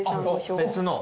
別の。